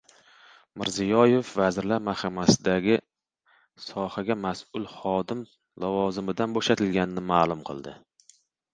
Mirziyoyev Vazirlar Mahkamasidagi sohaga mas’ul xodim lavozimidan bo‘shatilganini ma’lum qildi